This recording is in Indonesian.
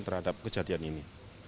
terhadap kejadian ini